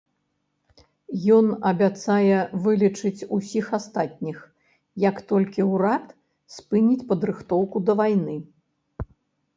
Ён абяцае вылечыць усіх астатніх, як толькі ўрад спыніць падрыхтоўку да вайны.